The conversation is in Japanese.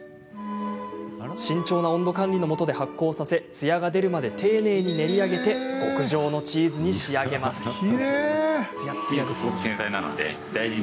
慎重な温度管理のもとで発酵させツヤが出るまで丁寧に練り上げて極上のチーズに仕上げます。